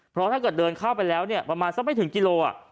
เพราะถ้าเกิดเดินเข้าไปแล้วเนี่ยประมาณสักไม่ถึงกิโล